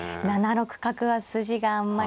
７六角は筋があんまりですか。